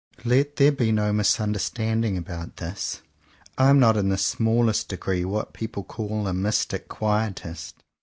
158 JOHN COWPER POWYS Let there be no misunderstanding about this. I am not in the smallest degree what people call a "mystic quietist."